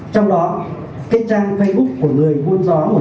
trong đó cái trang facebook của người